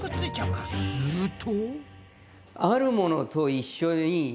すると。